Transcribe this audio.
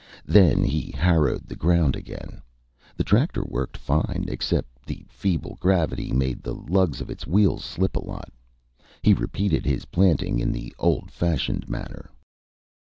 Then he harrowed the ground again. The tractor worked fine, except that the feeble gravity made the lugs of its wheels slip a lot. He repeated his planting, in the old fashioned manner.